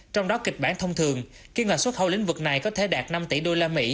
trong đó kịch bản thông thường kiếm ngạc xuất khẩu lĩnh vực này có thể đạt năm tỷ usd